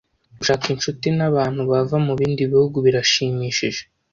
Gushaka inshuti nabantu bava mubindi bihugu birashimishije.